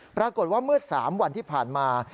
ปรากฏว่าเมื่อ๓วันที่ผ่านมา